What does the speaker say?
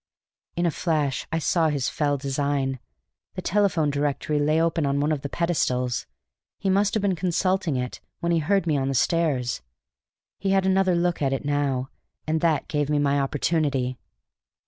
In a flash I saw his fell design. The telephone directory lay open on one of the pedestals. He must have been consulting it when he heard me on the stairs; he had another look at it now; and that gave me my opportunity.